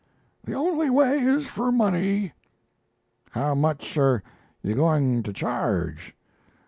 "'The only way is for money.' "'How much are you going to charge?